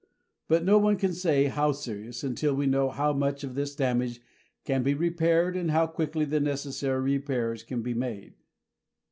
But no one can say how serious, until we know how much of this damage can be repaired and how quickly the necessary repairs can be made.